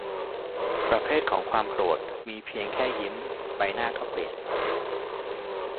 ประเภทของความโกรธเพียงแค่ยิ้มใบหน้าก็เปลี่ยน